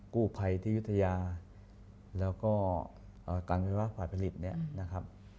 กู้ไพที่ยุทยาแล้วก็การกระพะผลิตเนี่ยนะครับ